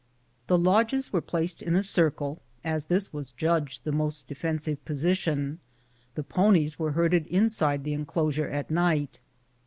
The lodges were placed in a circle, as this was judged the most defensive posi tion ; the ponies were herded inside the enclosure at night.